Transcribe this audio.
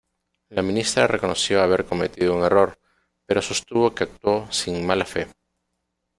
La ministra reconoció haber cometido un error, pero sostuvo que actuó sin mala fe.